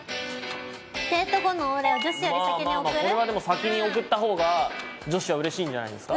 これは先に送ったほうが女子はうれしいんじゃないですか？